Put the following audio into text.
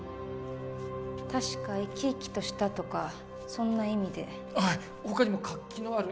確か「生き生きとした」とかそんな意味ではい他にも「活気のある」